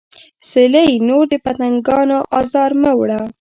سیلۍ نور د پتنګانو ازار مه وړه